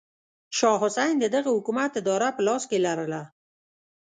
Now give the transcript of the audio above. شاه حسین د دغه حکومت اداره په لاس کې لرله.